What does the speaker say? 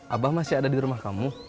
abah masih ada di rumah kamu